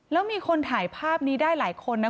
แล้วมีคนถ่ายภาพนี้ได้หลายคนนะ